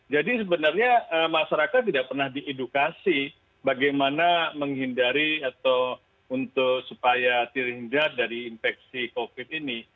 jadi sebenarnya masyarakat tidak pernah diedukasi bagaimana menghindari atau untuk supaya tiringdat dari infeksi covid ini